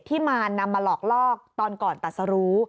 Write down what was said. มานำมาหลอกลอกตอนก่อนตัดสรุ